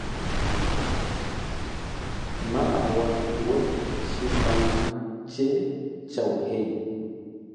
Maabwa ngwe chipangula che cha uhenya.